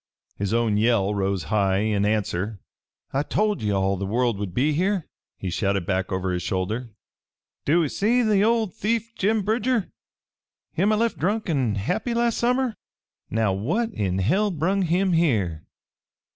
His own yell rose high in answer. "I told ye all the world'd be here!" he shouted back over his shoulder. "Do ee see that old thief Jim Bridger? Him I left drunk an' happy last summer? Now what in hell brung him here?"